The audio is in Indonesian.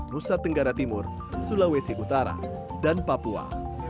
nusa tenggara timur sulawesi utara dan papua